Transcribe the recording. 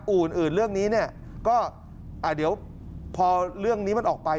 อื่นเรื่องนี้เนี่ยก็เดี๋ยวพอเรื่องนี้มันออกไป